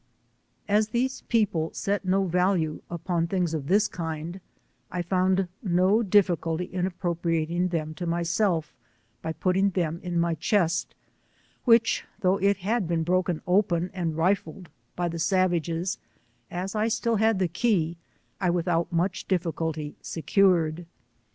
As these people set no value upon things of this kind, I found no difficulty in appropriating them to myself, by putting them in my chest, which though it had been broken open and rifled by the savages, as 1 still had the key, I without much ditficulty secured.